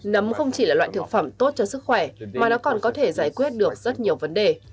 nấm không chỉ là loại thực phẩm tốt cho sức khỏe mà nó còn có thể giải quyết được rất nhiều vấn đề